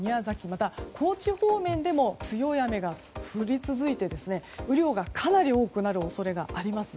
また、高知方面でも強い雨が降り続いて雨量がかなり多くなる恐れがあります。